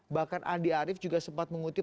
bahkan andi arief juga sempat mengutip